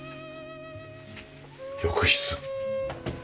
浴室。